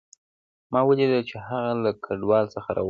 ما ولیدله چې هغه له ګودال څخه راووتله